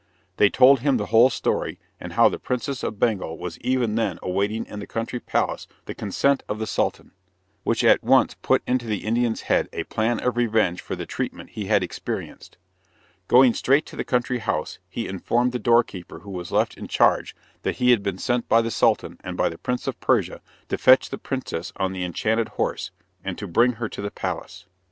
They told him the whole story, and how the Princess of Bengal was even then awaiting in the country palace the consent of the Sultan, which at once put into the Indian's head a plan of revenge for the treatment he had experienced. Going straight to the country house, he informed the doorkeeper who was left in charge that he had been sent by the Sultan and by the Prince of Persia to fetch the princess on the enchanted horse, and to bring her to the palace.